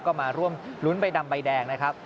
ก็มาร่วมลุ้นใบดำใบแดงนะครับ